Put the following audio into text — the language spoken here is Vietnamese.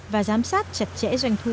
và giám sát chặt chẽ doanh thu